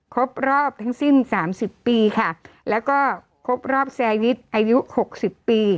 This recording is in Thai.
ครบรอบทั้งสิ้น๓๐ปีค่ะแล้วก็ครบรอบแซวิทอายุ๖๐ปี